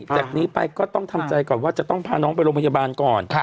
จากนี้ไปก็ต้องทำใจก่อนว่าจะต้องพาน้องไปโรงพยาบาลก่อน